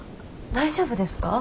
大丈夫ですか？